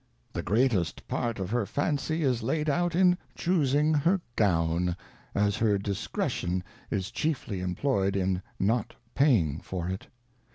The greatest part of her Fancy is laid out in chusing her Gown, as her Discretion is chiefly imploy'd in not paying for it.